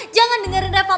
jangan dengerin reva mas